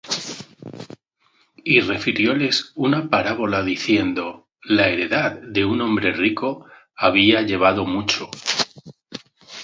Y refirióles una parábola, diciendo: La heredad de un hombre rico había llevado mucho;